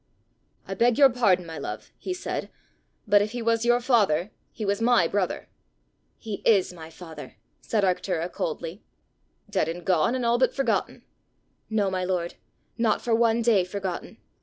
"I beg your pardon, my love," he said, "but if he was your father, he was my brother!" "He is my father!" said Arctura coldly. "Dead and gone and all but forgotten!" "No, my lord; not for one day forgotten!